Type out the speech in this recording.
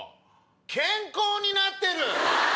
健康になってる！